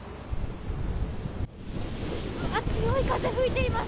強い風が吹いています。